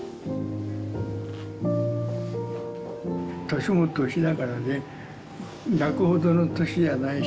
年も年だからね泣くほどの年じゃないし。